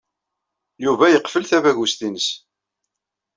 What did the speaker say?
Yuba yeqfel tabagust-nnes.